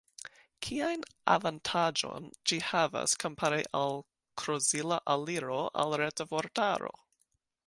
Kian avantaĝon ĝi havas kompare al krozila aliro al Reta Vortaro?